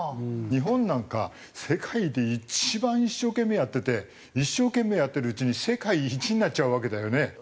日本なんか世界で一番一生懸命やってて一生懸命やってるうちに世界一になっちゃうわけだよね。